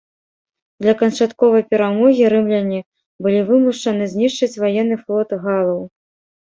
Для канчатковай перамогі рымляне былі вымушаны знішчыць ваенны флот галаў.